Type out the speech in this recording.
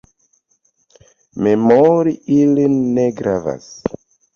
Memori ilin ne gravas.